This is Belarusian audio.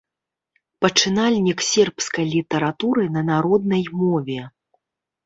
Пачынальнік сербскай літаратуры на народнай мове.